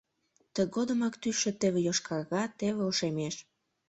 Тыгодымак тӱсшӧ теве йошкарга, теве ошемеш.